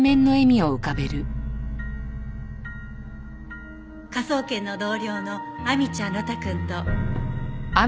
科捜研の同僚の亜美ちゃん呂太くんと